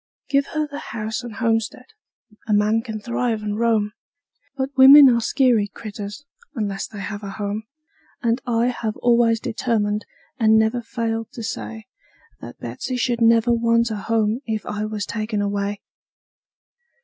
Give her the house and homestead a man can thrive and roam; But women are skeery critters, unless they have a home; And I have always determined, and never failed to say, That Betsey never should want a home if I was taken away.